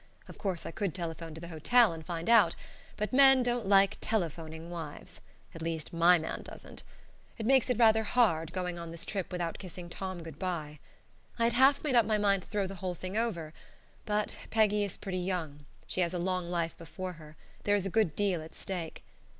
Of course I could telephone to the hotel and find out, but men don't like telephoning wives at least, my man doesn't. It makes it rather hard, going on this trip without kissing Tom good bye. I had half made up my mind to throw the whole thing over, but Peggy is pretty young; she has a long life before her; there is a good deal at stake.